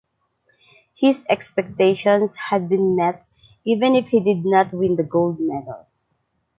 His expectations had been met even if he did not win the gold medal.